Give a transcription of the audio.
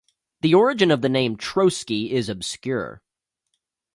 The origin of the name Trosky is obscure.